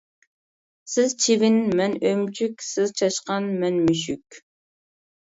سىز چىۋىن، مەن ئۆمۈچۈك، سىز چاشقان، مەن مۈشۈك.